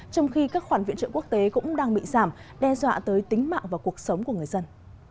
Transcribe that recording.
trong khi các khoản viện trợ quốc tế cũng đang bị giảm đe dọa tới tính mạng và cuộc sống của người dân